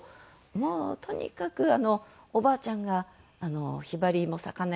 もうとにかくおばあちゃんが「ひばりも魚屋の娘なんだから」